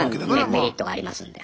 メリットがありますんで。